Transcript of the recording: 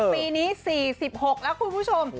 ปีนี้๔๖แล้วคุณผู้ชม